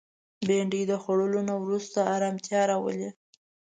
بېنډۍ د خوړلو نه وروسته ارامتیا راولي